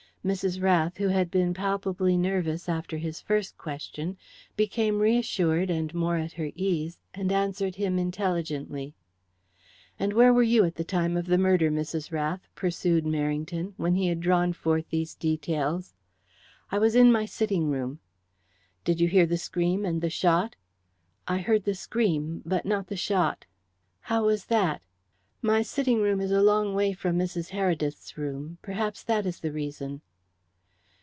Mrs. Rath, who had been palpably nervous after his first question, became reassured and more at her ease, and answered him intelligently. "And where were you at the time of the murder, Mrs. Rath?" pursued Merrington, when he had drawn forth these details. "I was in my sitting room." "Did you hear the scream and the shot?" "I heard the scream, but not the shot." "How was that?" "My sitting room is a long way from Mrs. Heredith's room. Perhaps that is the reason."